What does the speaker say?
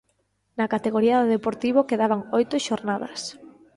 Na categoría do Deportivo quedaban oito xornadas.